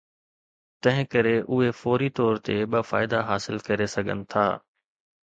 تنهن ڪري اهي فوري طور تي ٻه فائدا حاصل ڪري سگهن ٿا.